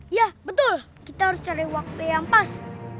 ya betul kita harus cari waktu yang pas